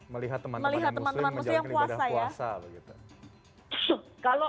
melihat teman teman yang muslim menjalankan ibadah puasa ya